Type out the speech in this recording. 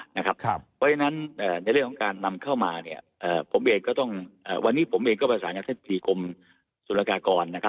เพราะดังนั้นในเรื่องของการนำเข้ามาวันนี้ผมเองก็ประสานกับท่านพิกรมสุรกากร